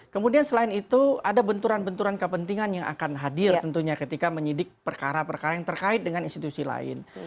kemudian selain itu ada benturan benturan kepentingan yang akan hadir tentunya ketika menyidik perkara perkara yang terkait dengan institusi lain